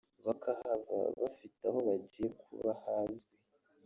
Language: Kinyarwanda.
bakahava bafite aho bagiye kuba hazwi